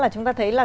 chúng ta thấy là